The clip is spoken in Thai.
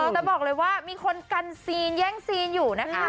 แต่บอกเลยว่ามีคนกันซีนแย่งซีนอยู่นะคะ